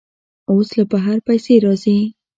اوس له بهر پیسې راځي.